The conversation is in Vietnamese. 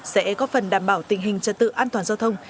sẽ có phần đảm bảo tình hình trật tự an toàn giao thông